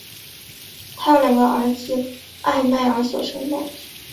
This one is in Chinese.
她有两个儿子艾麦尔所生的。